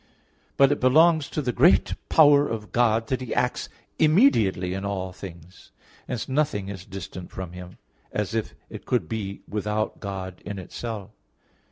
But it belongs to the great power of God that He acts immediately in all things. Hence nothing is distant from Him, as if it could be without God in itself.